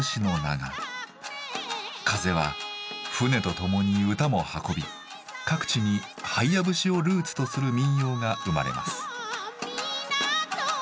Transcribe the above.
風は船と共に歌も運び各地に「ハイヤ節」をルーツとする民謡が生まれます。